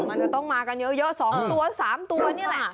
มันจะต้องมากันเยอะ๒ตัว๓ตัวนี่แหละ